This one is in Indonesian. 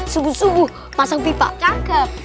subu subu masuk pipa rester